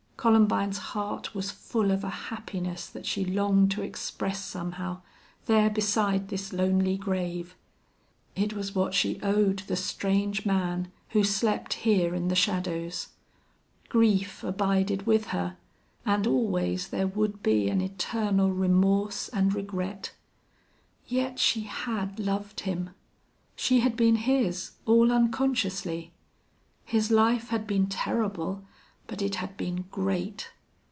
Columbine's heart was full of a happiness that she longed to express somehow, there beside this lonely grave. It was what she owed the strange man who slept here in the shadows. Grief abided with her, and always there would be an eternal remorse and regret. Yet she had loved him. She had been his, all unconsciously. His life had been terrible, but it had been great.